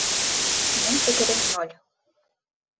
Һинең фекерең ноль!